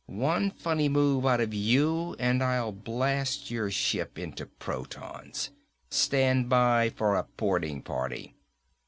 One funny move out of you and I'll blast your ship into protons! Stand by for a boarding party!"